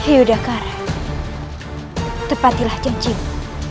yudhakara tepatilah janjimu